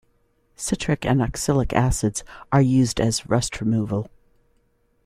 Citric and oxalic acids are used as rust removal.